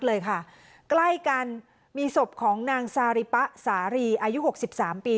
ตอนนี้มีศพของนางซาหรี่ป๊าสาหรีอายุ๖๓ปี